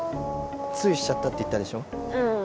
ついしちゃったって言ったでしょ